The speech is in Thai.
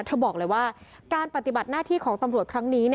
บอกเลยว่าการปฏิบัติหน้าที่ของตำรวจครั้งนี้